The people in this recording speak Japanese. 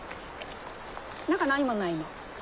中何もないの。